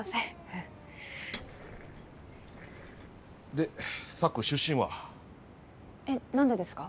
でサク出身は？えっ？何でですか？